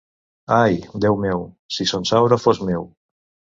Ai, Déu meu, si Son Saura fos meu!